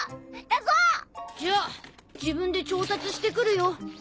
じゃあ自分で調達してくるよ。